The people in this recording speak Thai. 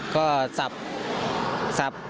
ก็สับ